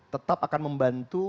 tetap akan membantu